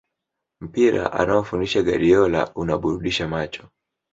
Mpira anaofundisha Guardiola unaburudisha macho